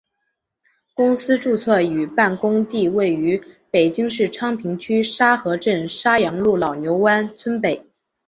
公司注册与办公地位于北京市昌平区沙河镇沙阳路老牛湾村北。